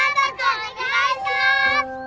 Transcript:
お願いします。